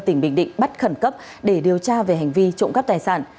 tỉnh bình định bắt khẩn cấp để điều tra về hành vi trộm cắp tài sản